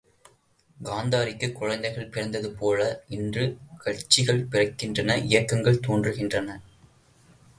காந்தாரிக்குக் குழந்தைகள் பிறந்தது போல இன்று கட்சிகள் பிறக்கின்றன இயக்கங்கள் தோன்றுகின்றன!